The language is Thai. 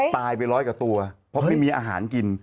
ตายไปร้อยกว่าตัวเพราะไม่มีอาหารกิน